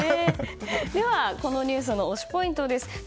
このニュースの推しポイントです。